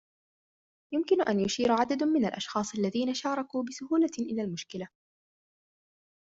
يمكن أن يشير عدد من الأشخاص الذين شاركوا بسهولة إلى المشكلة